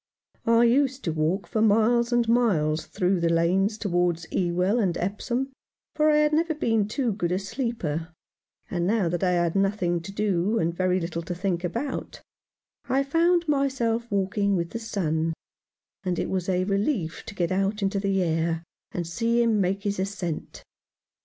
I used to walk for miles and miles through the lanes towards Ewell and Epsom ; for I had never been too good a sleeper, and now that I had nothing to do and very little to think about, I found myself waking with the sun, and it was a relief to get out into the air and see him make his ascent.